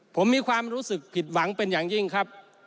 ผมมีความรู้สึกผิดหวังเป็นอย่างยิ่งครับ